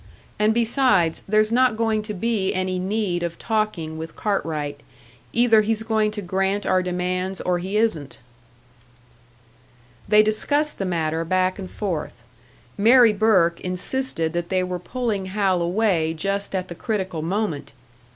And besides, there's not going to be any need of talking with Cartwright. Either he's going to grant our demands or he isn't." They discussed the matter back and forth. Mary Burke insisted that they were pulling Hal away just at the critical moment!